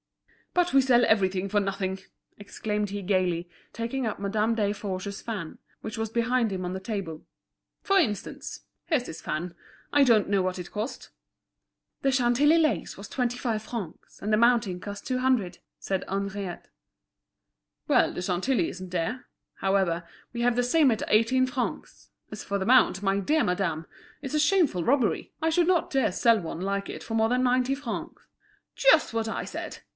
"But we sell everything for nothing!" exclaimed he gaily, taking up Madame Desforges's fan, which was behind him on the table. "For instance, here's this fan. I don't know what it cost." "The Chantilly lace was twenty five francs, and the mounting cost two hundred," said Henriette. "Well, the Chantilly isn't dear. However, we have the same at eighteen francs; as for the mount, my dear madame, it's a shameful robbery. I should not dare to sell one like it for more than ninety francs." "Just what I said!"